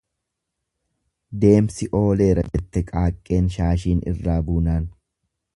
Deemsi ooleera jette qaaqqeen shaashiin irraa buunaan.